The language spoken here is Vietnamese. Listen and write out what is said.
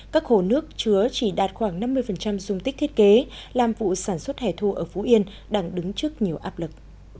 các hồ nước chứa chỉ đạt khoảng năm mươi dung tích thiết kế làm vụ sản xuất hẻ thu ở phú yên đang đứng trước nhiều áp lực